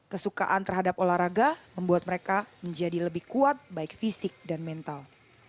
kesukaan terhadap olahraga membuat mereka menjadi lebih kuat baik fisik dan mental